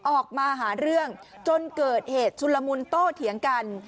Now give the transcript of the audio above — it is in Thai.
ออกมาหาเรื่องจนเกิดเหตุชุนละมุนโต้เถียงกัน